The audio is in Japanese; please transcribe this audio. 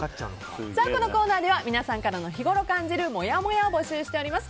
このコーナーでは、皆さんからの日頃感じるもやもやを募集しております。